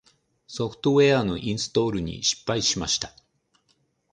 ソフトウェアのインストールに失敗しました。